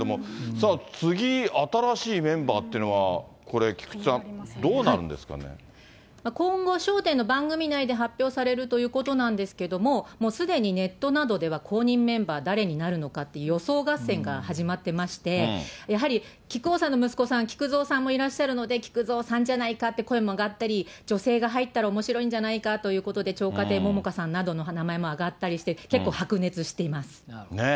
さあ、次、新しいメンバーっていうのは、これ、今後、笑点の番組内で発表されるということなんですけど、もうすでにネットなどでは後任メンバー誰になるのかって、予想合戦が始まっていまして、やはり、木久扇さんの息子さん、木久蔵さんもいらっしゃるので、木久蔵さんじゃないかっていう声があったり、女性が入ったらおもしろいんじゃないかということで、ちょうかていももかさんの名前も挙がったりして、結構、白熱しています。